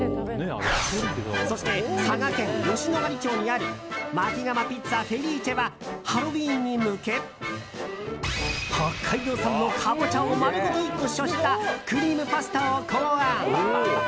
そして、佐賀県吉野ヶ里町にある薪窯ピッツァＦｅｌｉｃｈｅはハロウィーンに向け北海道産のカボチャを丸ごと１個使用したクリームパスタを考案。